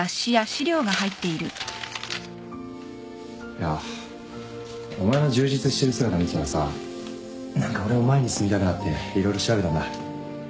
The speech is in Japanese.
いやお前の充実してる姿見てたらさ何か俺も前に進みたくなって色々調べたんだ。